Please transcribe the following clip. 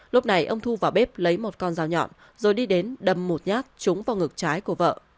lúc này ông thu vào bếp lấy một con dao nhọn rồi đi đến đâm một nhát trúng vào ngực trái của vợ